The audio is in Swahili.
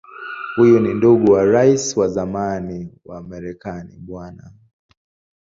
Huyu ni ndugu wa Rais wa zamani wa Marekani Bw.